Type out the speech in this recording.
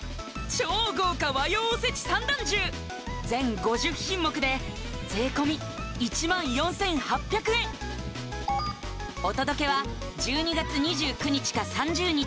超豪華和洋おせち三段重全５０品目で税込１４８００円お届けは１２月２９日か３０日